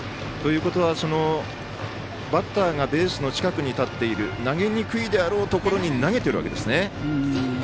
バッターがベースの近くに立っている投げにくいところに投げているわけですね。